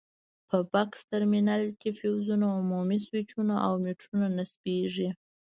په بکس ترمینل کې فیوزونه، عمومي سویچونه او میټرونه نصبېږي.